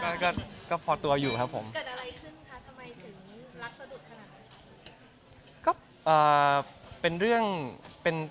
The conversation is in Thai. เกิดอะไรขึ้นค่ะทำไมถึงรักสะดุดขนาดนี้